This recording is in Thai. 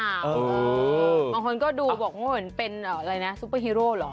บางคนก็ดูบอกว่าเหมือนเป็นอะไรนะซุปเปอร์ฮีโร่เหรอ